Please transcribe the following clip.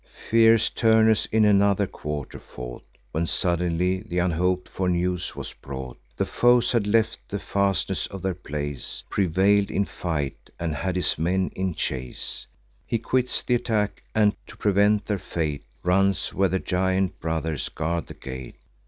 Fierce Turnus in another quarter fought, When suddenly th' unhop'd for news was brought, The foes had left the fastness of their place, Prevail'd in fight, and had his men in chase. He quits th' attack, and, to prevent their fate, Runs where the giant brothers guard the gate.